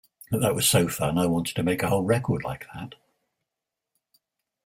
That was so fun-I wanted to make a whole record like that.